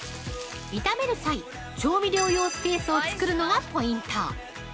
炒める際、調味料用スペースを作るのがポイント。